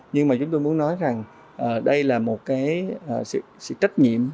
nhưng mà chúng tôi muốn nói rằng đây là một cái sự trách nhiệm